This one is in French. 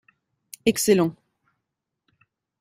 Excellent.